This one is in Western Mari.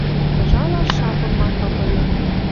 Выжалаш шапым Марфа пырен...